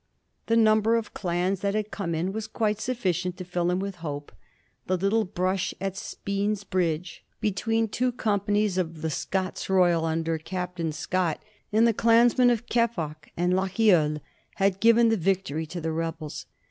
The number of clans that had come in was quite sufficient to fill him with hope ; the little brush at Spean's Bridge between two companies of the Scots Royal, under Captain Scott, and the clansmen of Keppoch and Lochiel, had given the victory to the rebels.